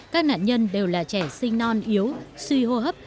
các nạn nhân đều là trẻ sinh non yếu suy hô hấp